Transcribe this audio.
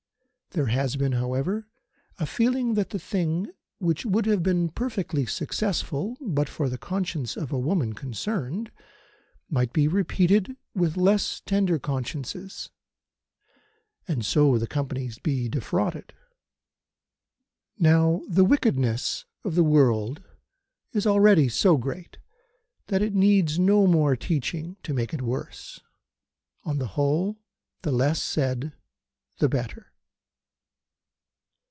There has been, however, a feeling that the thing, which would have been perfectly successful but for the conscience of a woman concerned, might be repeated with less tender consciences, and so the Companies be defrauded. Now the wickedness of the world is already so great that it needs no more teaching to make it worse. On the whole, the less said the better.